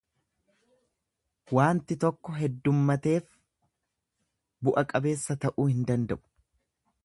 Waanti tokko heddummateef bu'a qabeessa ta'uu hin danda'u.